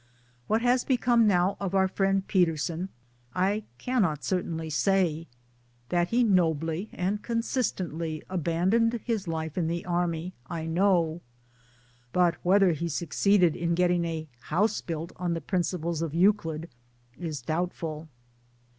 What has become now of our friend Peterson I cannot certainly say. That he nobly and consistently abandoned his life in the army I know; but whether he succeeded in getting a house built on the Principles of Euclid is doubtful.